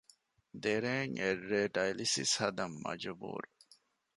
ދެރޭން އެއްރޭ ޑައިލިސިސް ހަދަން މަޖުބޫރު